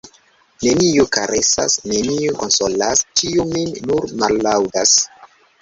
Neniu karesas, neniu konsolas, ĉiu min nur mallaŭdas.